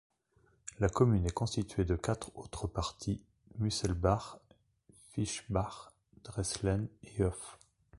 La commune est constituée de quatre autres parties: Müselbach, Fischbach, Dreßlen et Hof.